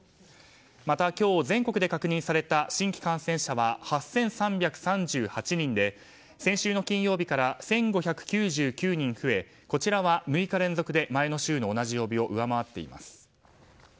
また、今日全国で確認された新規感染者は８３３８人で先週の金曜日から１５９９人増えこちらは６日連続で前の週の同じ曜日を上回っています。